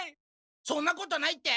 そんなことないって？